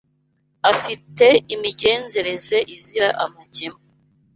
afite imigenzereze izira amakemwa